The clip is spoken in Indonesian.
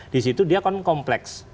di situ dia kan kompleks